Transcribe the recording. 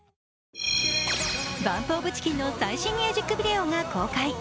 ＢＵＭＰＯＦＣＨＩＣＫＥＮの最新ミュージックビデオが公開。